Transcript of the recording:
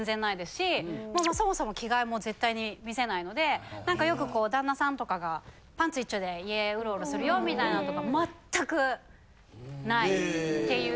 そもそも着替えも絶対に見せないので何かよくこう旦那さんとかがパンツ一丁で家ウロウロするよみたいなのとかまったくないっていう。